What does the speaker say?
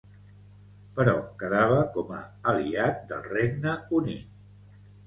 Però quedava com a aliat del Regne Unit.